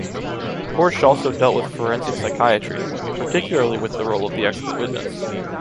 Hoche also dealt with forensic psychiatry, particularly with the role of the expert witness.